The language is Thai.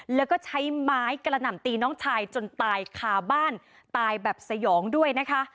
แล้วก็ใช้ไม้กระหน่ำตีน้องชายจนตายคาบ้านตายแบบสยองด้วยนะคะ